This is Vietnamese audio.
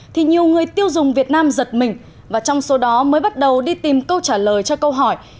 thì nhiều người tiêu dùng việt nam giật mình và trong số đó mới bắt đầu đi tìm câu trả lời cho câu hỏi